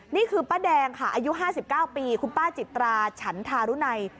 นี่คือป้าแดงค่ะอายุ๕๙ปีคุณป้าจิตราชฉันทารุณัย